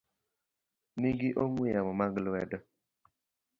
ni gi ong'we yamo mag lwedo.